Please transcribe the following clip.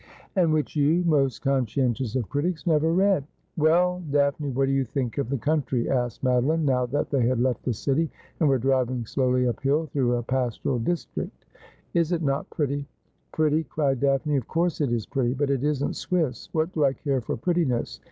' And which you, most conscientious of critics, never read.' ' Well, Daphne, what do you think of the country ?' asked Madeline, now that they had left the city and were driving slowly up hill through a pastoral district. ' Is it not pretty ?' 'Pretty,' cried Daphne, 'of course it is pretty ; but it isn't Swiss. What do I care for prettiness